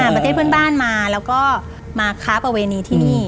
ประเทศเพื่อนบ้านมาแล้วก็มาค้าประเวณีที่นี่